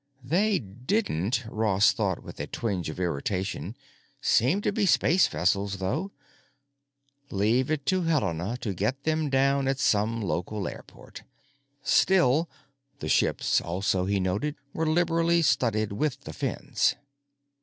They didn't, Ross thought with a twinge of irritation, seem to be space vessels, though; leave it to Helena to get them down at some local airport! Still—the ships also, he noticed, were liberally studded with the fins.